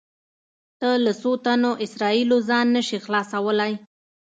ته له څو تنو اسرایلو ځان نه شې خلاصولی.